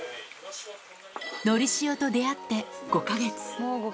のりしおと出会って５か月。